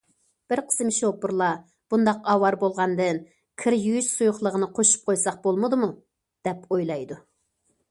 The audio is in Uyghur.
بىر قىسىم شوپۇرلار بۇنداق ئاۋارە بولغاندىن، كىر يۇيۇش سۇيۇقلۇقىنى قوشۇپ قويساق بولمىدىمۇ، دەپ ئويلايدۇ.